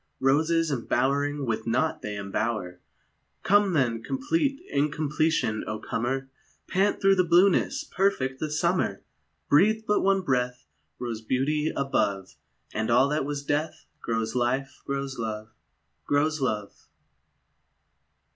Roses embowering with naught they embower! Come then, complete incompletion, O comer, Pant through the blueness, perfect the summer! Breathe but one breath Rose beauty above, And all that was death Grows life, grows love, Grows love!